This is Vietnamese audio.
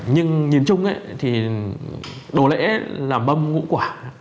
nhưng nhìn chung thì đồ lễ là bâm ngũ quả